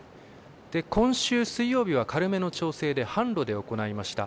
今週水曜日は軽めの調整で坂路で行いました。